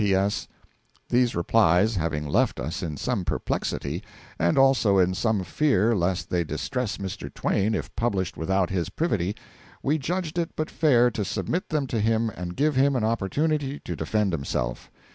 P.S. These replies having left us in some perplexity, and also in some fear lest they distress Mr. Twain if published without his privity, we judged it but fair to submit them to him and give him an opportunity to defend himself.